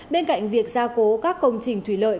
bên cạnh việc gia cố các công trình thủy lợi